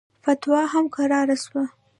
فتوا هم کراره سوه.